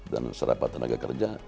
dan serapa tenaga kerja